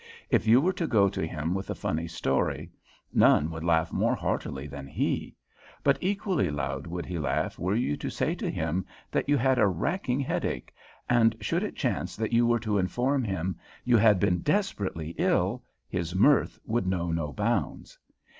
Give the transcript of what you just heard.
If you were to go to him with a funny story, none would laugh more heartily than he; but equally loud would he laugh were you to say to him that you had a racking headache, and should it chance that you were to inform him you had been desperately ill, his mirth would know no bounds.